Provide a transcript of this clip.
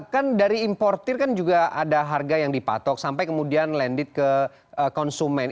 kan dari importer kan juga ada harga yang dipatok sampai kemudian landed ke konsumen